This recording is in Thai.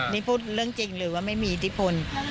นี่พูดเรื่องจริงหรือว่าไม่มีอิทธิพล